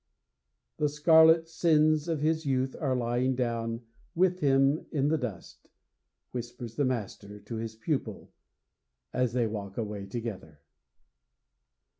'The scarlet sins of his youth are lying down with him in the dust,' whispers the master to his pupil as they walk away together.